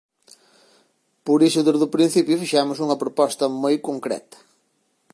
Por iso desde o principio fixemos unha proposta moi concreta: